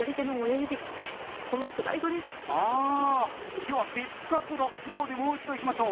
では別角度スローでもう一度いきましょう！